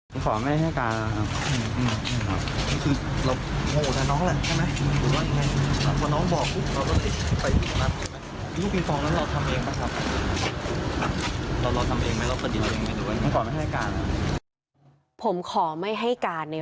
ผมขอไม่ให้การในราชบุรณะ